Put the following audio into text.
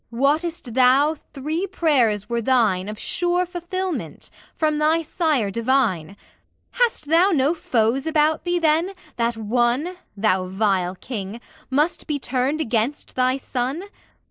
Wottest thou three prayers were thine Of sure fulfilment, from thy Sire divine? Hast thou no foes about thee, then, that one Thou vile King! must be turned against thy son?